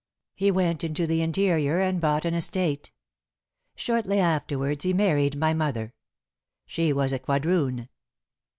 He went into the interior and bought an estate. Shortly afterwards he married my mother. She was a quadroon."